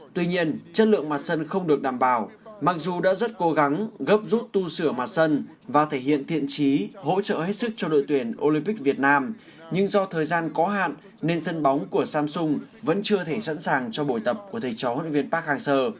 tuy nhiên chất lượng mặt sân không được đảm bảo mặc dù đã rất cố gắng gấp rút tu sửa mặt sân và thể hiện thiện trí hỗ trợ hết sức cho đội tuyển olympic việt nam nhưng do thời gian có hạn nên sân bóng của samsung vẫn chưa thể sẵn sàng cho buổi tập của thầy chó huấn luyện viên park hang seo